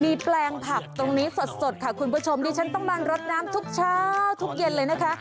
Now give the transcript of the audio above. มีแปลงผักตรงนี้สดค่ะคุณผู้ชมดิฉันต้องมารดน้ำทุกเช้าทุกเย็นเลยนะคะ